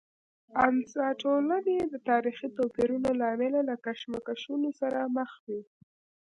انسا ټولنې د تاریخي توپیرونو له امله له کشمکشونو سره مخ وي.